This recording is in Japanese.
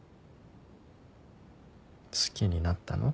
好きになったの？